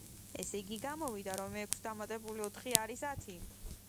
ესე იგი, გამოვიდა, რომ ექვს დამატებული ოთხი არის ათი.